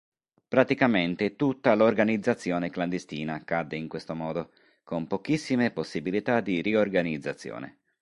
Praticamente tutta l'organizzazione clandestina cadde in questo modo, con pochissime possibilità di riorganizzazione.